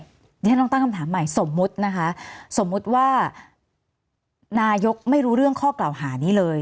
เดี๋ยวฉันลองตั้งคำถามใหม่สมมุตินะคะสมมุติว่านายกไม่รู้เรื่องข้อกล่าวหานี้เลย